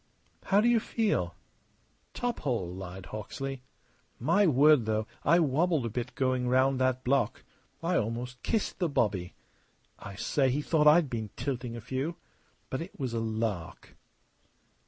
"How do you feel?" "Top hole," lied Hawksley. "My word, though, I wobbled a bit going round that block. I almost kissed the bobby. I say, he thought I'd been tilting a few. But it was a lark!"